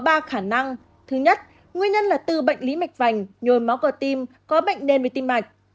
thứ nhất nguyên nhân là từ bệnh lý mạch vành nhồi máu cơ tim có bệnh nền với tim mạch